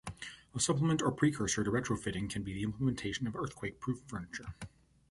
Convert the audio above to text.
A supplement or precursor to retrofitting can be the implementation of earthquake proof furniture.